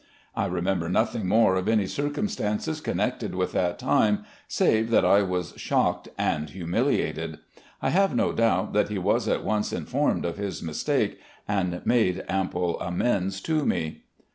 I remember nothing more of any circumstances connected with that time, save that I was shocked and humiliated. I have no doubt that he was at once informed of his mistake and made ample amends to me.